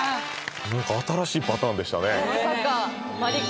何か新しいパターンでしたね